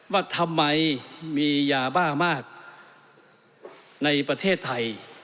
ว่าทำไมมียาบ้ามากในประเทศไทย